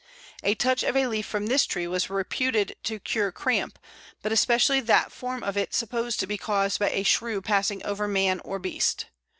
A touch of a leaf from this tree was reputed to cure cramp, but especially that form of it supposed to be caused by a shrew passing over man or beast.